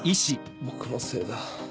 僕のせいだ。